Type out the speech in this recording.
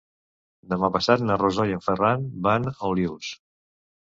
Demà passat na Rosó i en Ferran van a Olius.